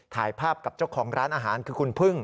ถ่ายภาพกับเจ้าของร้านอาหารคือคุณพึ่ง